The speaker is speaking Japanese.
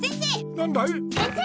何だい？